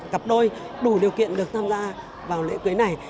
bốn mươi bảy cặp đôi đủ điều kiện được tham gia vào lễ cưới này